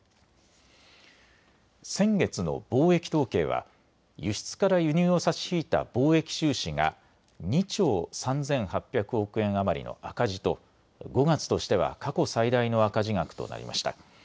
先月の貿易統計は輸出から輸入を差し引いた貿易収支が２兆３８００億円余りの赤字と５月としては過去最大の赤字額となりました。